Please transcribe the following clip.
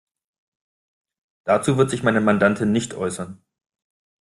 Dazu wird sich meine Mandantin nicht äußern.